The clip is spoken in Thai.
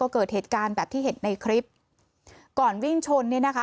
เกิดเหตุการณ์แบบที่เห็นในคลิปก่อนวิ่งชนเนี่ยนะคะ